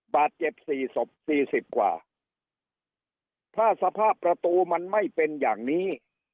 บาดเจ็บสี่ศพสี่สิบกว่าถ้าสภาพประตูมันไม่เป็นอย่างนี้